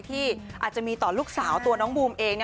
ที่อาจจะมีต่อลูกสาวตัวน้องบูมเอง